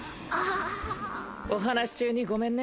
お話し中にごめんね。